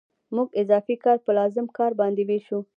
موږ اضافي کار په لازم کار باندې وېشو